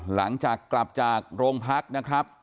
หลังจากกลับจากโรงพักนะครับ